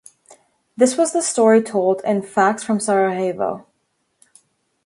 This was the story told in "Fax from Sarajevo".